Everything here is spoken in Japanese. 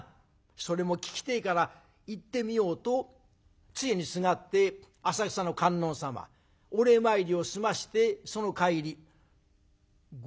それも聞きてえから行ってみよう」とつえにすがって浅草の観音様お礼参りを済ましてその帰り。